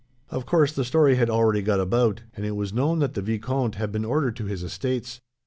Of course, the story had already got about, and it was known that the vicomte had been ordered to his estates.